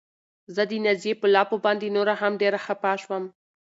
زه د نازيې په لافو باندې نوره هم ډېره خپه شوم.